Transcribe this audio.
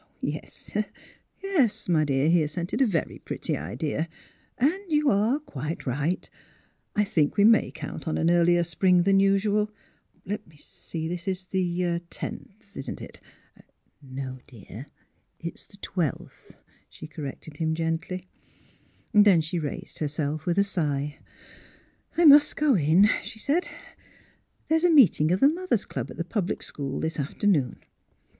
*' Yes, yes; my dear," he assented, ''"a very pretty idea ; and you are quite right ; I think' we may count on an earlier spring than usual. Let me see, this — er — is the tenth; isn't it? "" No, dear ; it is the twelfth," she corrected him, gently. The she raised herself with a sigh. I must go in," she said. '* There is a meet ing of the Mothers' Club at the public school this afternoon."